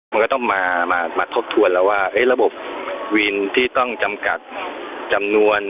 มันก็ต้องมาทบทวนแล้วว่าระบบวินที่ต้องจำกัดจำนวน